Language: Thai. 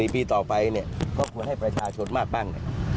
ปีต่อไปเนี่ยก็ควรให้ประชาชนมากบ้าง